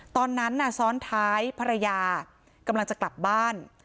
ตอนนั้นน่ะซ้อนท้ายภรรยากำลังจะกลับบ้าน